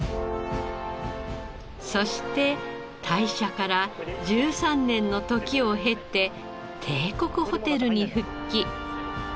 そして退社から１３年の時を経て帝国ホテルに復帰。